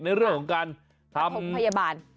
ในเรื่องการทำพยาบาล